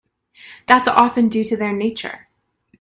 That's often due to their nature.